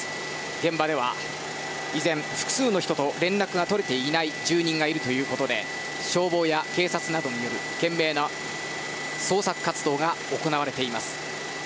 現場では、依然複数の人と連絡が取れていない住人がいるということで消防や警察などによる懸命な捜索活動が行われています。